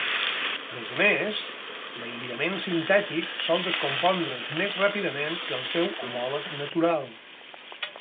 A més a més, l'aïllament sintètic sol descompondre's més ràpidament que el seu homòleg natural.